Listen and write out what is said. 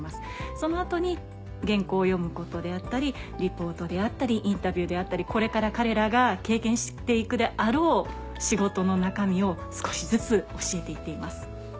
その後に原稿を読むことであったりリポートであったりインタビューであったりこれから彼らが経験して行くであろう仕事の中身を少しずつ教えて行っています。